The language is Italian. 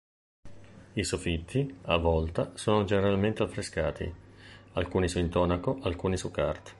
I soffitti, a volta, sono generalmente affrescati, alcuni su intonaco, alcuni su carta.